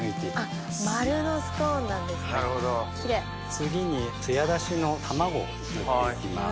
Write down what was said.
次につや出しの卵を塗っていきます。